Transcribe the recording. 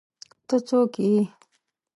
ته څوک ئې؟